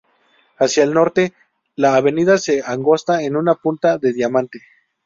Hacia el norte, la avenida se angosta en una punta de diamante.